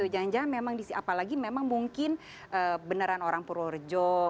jangan jangan memang apalagi memang mungkin beneran orang purworejo